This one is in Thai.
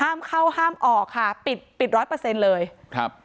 ห้ามเข้าห้ามออกค่ะปิดปิดร้อยเปอร์เซ็นต์เลยครับ